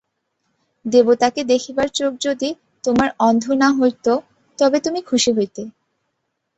দেবতাকে দেখিবার চোখ যদি তোমার অন্ধ না হইত তবে তুমি খুশি হইতে।